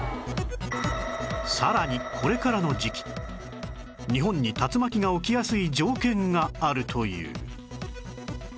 さらにこれからの時期日本に竜巻が起きやすい条件があるという